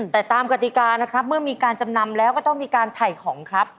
แต่ตามกติกานะครับเมื่อมีการจำนำแล้วก็ต้องมีการถ่ายของครับ